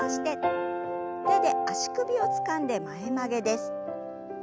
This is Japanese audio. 手で足首をつかんで前曲げです。